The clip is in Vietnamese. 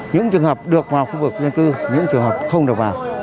những trường hợp được vào khu vực dân cư những trường hợp không được vào